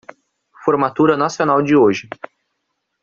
Formatura nacional de hoje